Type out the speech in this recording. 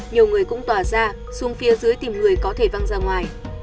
nhiều người cũng tỏa ra xuống phía dưới tìm người có thể văng ra ngoài